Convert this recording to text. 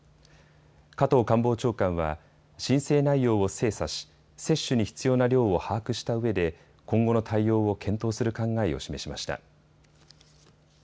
加藤官房長官は申請内容を精査し接種に必要な量を把握したうえで今後の対応を検討する考えを示しました。